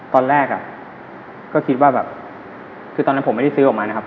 ตอนแรกอ่ะก็คิดว่าแบบคือตอนนั้นผมไม่ได้ซื้อออกมานะครับ